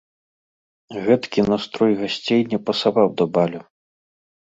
Гэткі настрой гасцей не пасаваў да балю.